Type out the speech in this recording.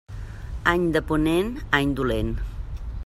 Any de ponent, any dolent.